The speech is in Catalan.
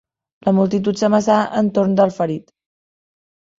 La multitud s'amassà entorn del ferit.